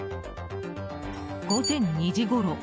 午前２時ごろ。